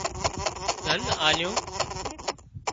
ڌنَ آليون